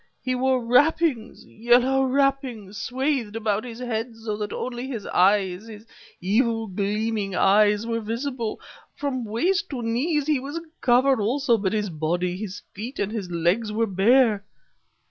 He wore wrappings yellow wrappings swathed about his head, so that only his eyes, his evil gleaming eyes, were visible.... From waist to knees he was covered, also, but his body, his feet, and his legs were bare..."